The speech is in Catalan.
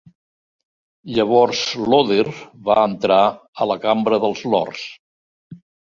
Llavors Loder va entrar a la Cambra dels Lords.